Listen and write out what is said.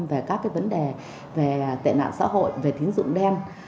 về các cái vấn đề về tệ nạn xã hội về thiến dụng đen